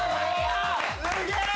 すげえ！